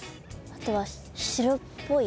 あとは白っぽい。